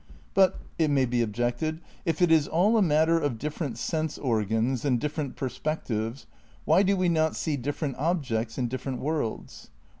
But — it may be objected — if it is all a matter of dif ferent sense organs and different perspectives, why do we not see different objects in different worlds?